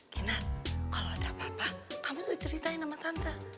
kinar kalau ada apa apa kamu ceritain sama tante